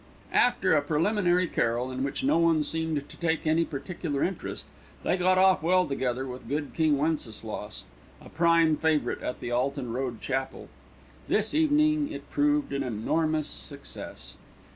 After a preliminary carol, in which no one seemed to take any particular interest, they got off well together with "Good King Wenceslas," a prime favourite at the Alton Road Chapel. This evening it proved an enormous success.